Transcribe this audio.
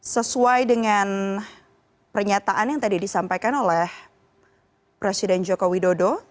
sesuai dengan pernyataan yang tadi disampaikan oleh presiden joko widodo